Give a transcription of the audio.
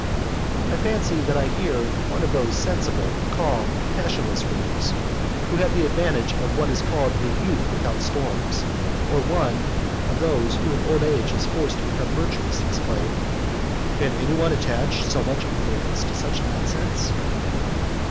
I fancy that I hear one of those sensible, calm, passionless readers, who have had the advantage of what is called a youth without storms, or one of those whom old age has forced to become virtuous, exclaim, "Can anyone attach so much importance to such nonsense?"